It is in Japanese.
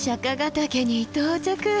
岳に到着！